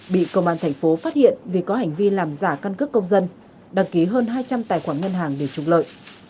bị công an thành phố phát hiện vì có hành vi làm giả căn cước công dân đăng ký hơn hai trăm linh tài khoản ngân hàng để trục lợi